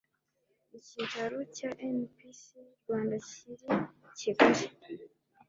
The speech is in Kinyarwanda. Ikicaro cya NPC Rwanda kiri i Kigali